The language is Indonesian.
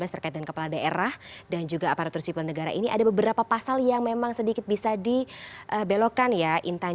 terkait dengan kepala daerah dan juga aparatur sipil negara ini ada beberapa pasal yang memang sedikit bisa dibelokkan ya intan